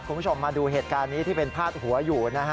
คุณผู้ชมมาดูเหตุการณ์นี้ที่เป็นพาดหัวอยู่นะฮะ